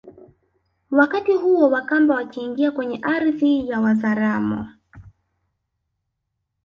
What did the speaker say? Wakati huo Wakamba wakiingia kwenye ardhi ya Wazaramo